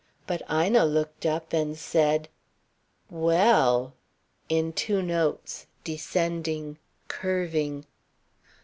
But Ina looked up and said: "Well!" in two notes, descending, curving.